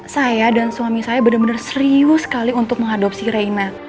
saya dan suami saya benar benar serius sekali untuk mengadopsi reina